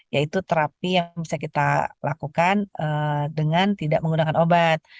yaitu terapi yang bisa kita lakukan dengan tidak menggunakan obat